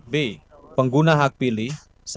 b pengguna hak pilih